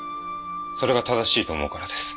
それが正しいと思うからです。